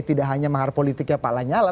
tidak hanya mahar politiknya palanyala